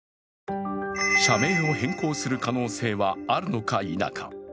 社名を変更する可能性はあるのか否か。